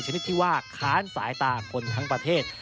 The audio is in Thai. ชนิดที่ว่าค้านสายตาคนทั้งประเทศ